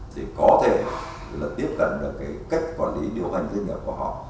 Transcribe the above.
thì có thể tiếp cận được cách quản lý điều hành doanh nghiệp của họ